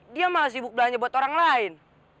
dia mah sibuk belanja buat orang lain